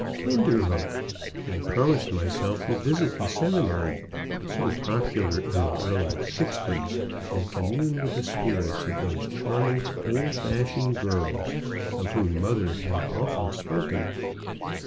_ Kinderhook! I promised myself to visit the seminary, so popular in the early '60's, and commune with the spirits of those charming old fashioned girls of whom mother had often spoken.